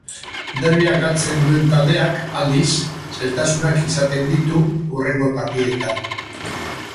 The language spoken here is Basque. Derbia galtzen duen taldeak, aldiz, zailtasunak izaten ditu hurrengo partidetan.